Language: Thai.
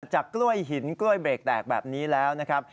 จากกล้วยหินกล้วยเบรกแตกแบบนี้แล้วนะครับ